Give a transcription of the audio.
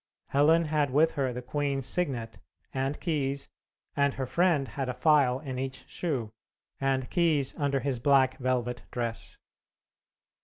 Helen had with her the queen's signet, and keys; and her friend had a file in each shoe, and keys under his black velvet dress.